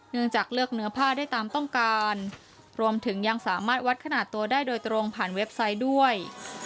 จากเลือกเนื้อผ้าได้ตามต้องการรวมถึงยังสามารถวัดขนาดตัวได้โดยตรงผ่านเว็บไซต์ด้วย